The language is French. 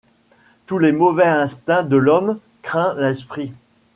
Tous les mauvais instincts de l’homme. Crains l’esprit